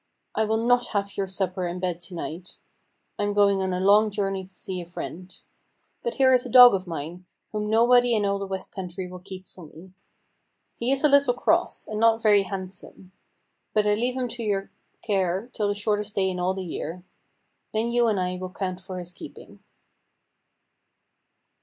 "I will not have your supper and bed to night I am going on a long journey to see a friend. But here is a dog of mine, whom nobody in all the west country will keep for me. He is a little cross, and not very handsome; but I leave him to your care till the shortest day in all the year. Then you and I will count for his keeping."